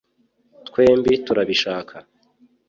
twembi turabishaka